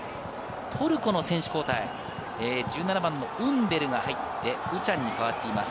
トルコの選手交代、ウンデルが入って、ウチャンに代わっています。